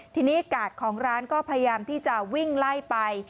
ทีนี้กาดของร้านก็พยายามที่จะวิ่งไล่ไป